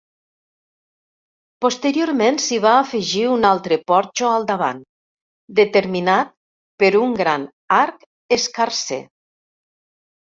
Posteriorment s'hi va afegir un altre porxo al davant, determinat per un gran arc escarser.